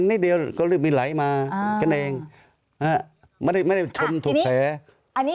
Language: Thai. นิดเดียวก็มีไหลมากันเองไม่ได้ชนถูกแผล